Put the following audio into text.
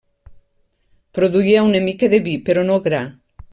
Produïa una mica de vi, però no gra.